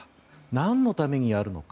何のためにやるのか。